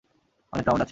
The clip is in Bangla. অনেক রাউন্ড আছে।